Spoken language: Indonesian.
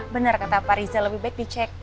benar kata pak riza lebih baik dicek